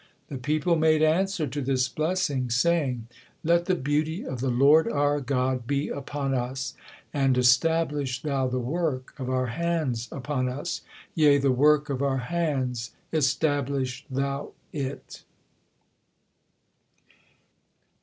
The people made answer to this blessing, saying: "Let the beauty of the Lord our God be upon us: and establish Thou the work of our hands upon us; yea the work of our hands establish Thou it."